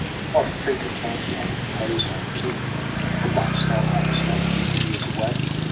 What freak of fancy had imposed on him ? Could one smell home smoke fifty years away